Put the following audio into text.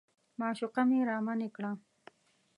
معشوقه مې رامنې کړه.